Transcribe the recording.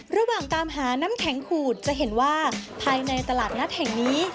ระหว่างตามหาน้ำแข็งขูดจะเห็นว่าภายในตลาดนัดแห่งนี้